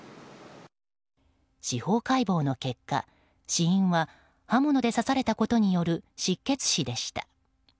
司法解剖の結果、死因は刃物で刺されたことによる失血死でした。